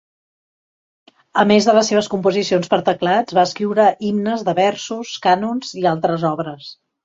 A més de les seves composicions per a teclats, va escriure himnes de versos, cànons i altres obres.